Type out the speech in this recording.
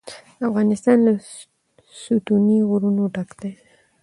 افغانستان له ستوني غرونه ډک دی.